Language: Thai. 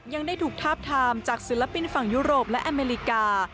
ยังได้ถูกทาบทามจากศิลปินฝั่งยุโรปและอเมริกา